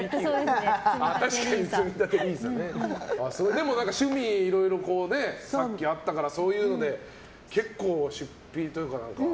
でも、趣味がいろいろさっきあったからそういうので結構出費というか。